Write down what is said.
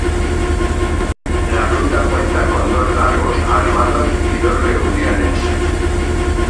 La ruta cuenta con dos largos armados y dos reuniones.